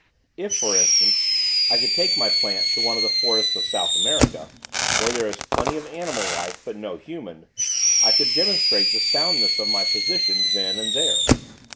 If, for instance, I could take my plant to one of the forests of South America, where there is plenty of animal life but no human, I could demonstrate the soundness of my position then and there.